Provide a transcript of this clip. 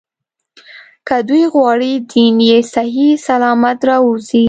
که دوی غواړي دین یې صحیح سلامت راووځي.